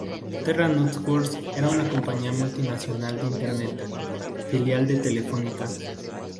Terra Networks era una compañía multinacional de Internet, filial de Telefónica.